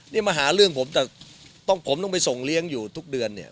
นี่มาหาเรื่องผมแต่ต้องผมต้องไปส่งเลี้ยงอยู่ทุกเดือนเนี่ย